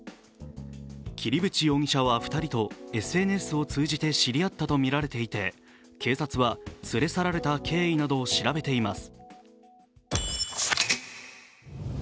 桐淵容疑者は２人とＳＮＳを通じて知り合ったとみられていて、警察は連れ去られた経緯などを調べています。